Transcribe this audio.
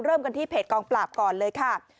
เริ่มกันที่เพจกองปราบก่อนเลยค่ะ